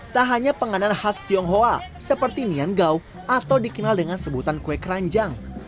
tak hanya penganan khas tionghoa seperti miangau atau dikenal dengan sebutan kue keranjang